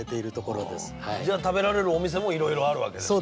じゃあ食べられるお店もいろいろあるわけですか？